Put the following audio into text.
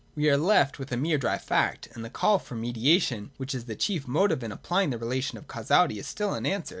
We are left with a mere dry fact ; and the call for mediation, which is the chief motive in applying the relation of causality, is still unanswered.